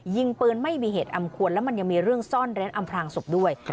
ยิงปืนไม่มีเหตุอันควรแล้วมันยังมีเรื่องซ่อนเร้นอำพลางศพด้วย